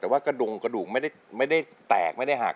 แต่ว่ากระดงกระดูกไม่ได้แตกไม่ได้หัก